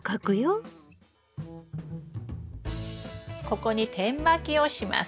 ここに点まきをします。